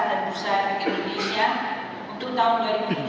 dan usaha yang di indonesia untuk tahun dua ribu tujuh belas